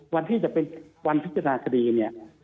วันที่จะเป็นวันพิจารณาคดีเนี่ย